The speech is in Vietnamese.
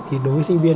thì đối với sinh viên